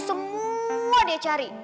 semua dia cari